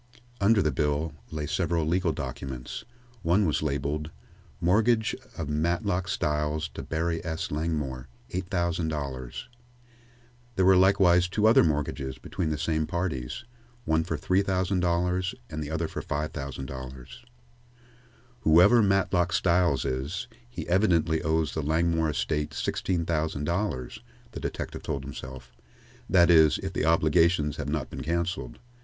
Under the bills lay several legal documents. One was labeled: "Mortgage of Matlock Styles to Barry S. Langmore, $8,000." There were likewise two other mortgages between the same parties, one for $3,000 and the other for $5,000. "Whoever Matlock Styles is, he evidently owes the Langmore estate sixteen thousand dollars," the detective told himself; "that is, if the obligations have not been cancelled.